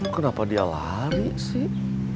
kenapa dia lari sih